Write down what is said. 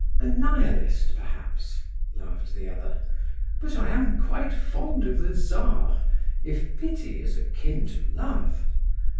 "A Nihilist, perhaps," laughed the other. "But I am quite fond of the Czar, if pity is akin to love.